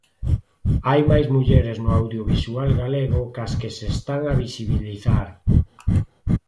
Hai máis mulleres no audiovisual galego que as que se están a visibilizar.